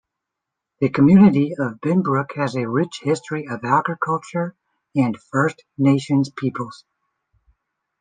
The community of Binbrook has a rich history of agriculture and First Nations peoples.